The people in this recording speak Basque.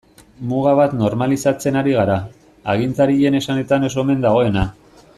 Muga bat normalizatzen ari gara, agintarien esanetan ez omen dagoena.